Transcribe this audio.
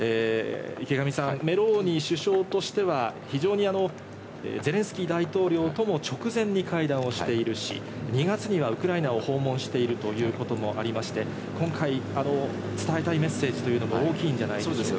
メローニ首相としては、ゼレンスキー大統領とも直接会談しているし、２月にはウクライナを訪問しているということもありまして、今回、伝えたいメッセージというのが大きいんじゃないですか？